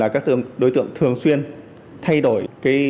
các đối tượng thường xuyên thay đổi